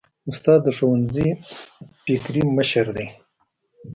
استاد د ښوونځي فکري مشر دی.